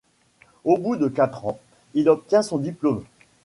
Au bout de quatre ans, il obtient son diplôme.